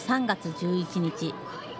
３月１１日。